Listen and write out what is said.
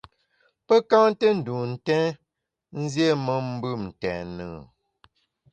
Pe ka nté ndun ntèn, nziéme mbùm ntèn e ?